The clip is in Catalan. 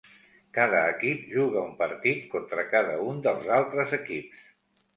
Cada equip juga un partit contra cada un dels altres equips.